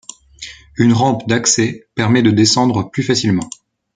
une rampe d'accès permet de descendre plus facilement